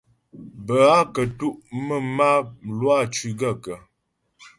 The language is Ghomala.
Bə́ a kətʉ' mə̀m a, Lwâ cʉ́ gaə̂kə́ ?